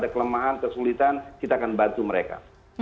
ada kelemahan kesulitan kita akan bantu mereka